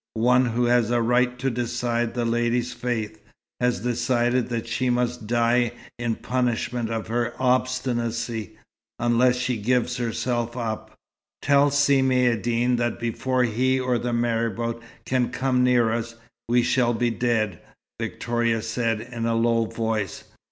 One who has a right to decide the lady's fate, has decided that she must die in punishment of her obstinacy, unless she gives herself up." "Tell Si Maïeddine that before he or the marabout can come near us, we shall be dead," Victoria said, in a low voice.